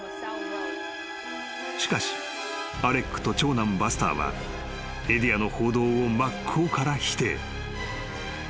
［しかしアレックと長男バスターはメディアの報道を真っ向から否定］